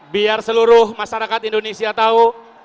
biar seluruh masyarakat indonesia tahu